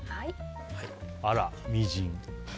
あら、みじん。